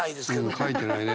書いてないね。